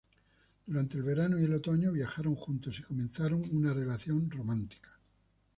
Durante el verano y el otoño, viajaron juntos y comenzaron una relación romántica.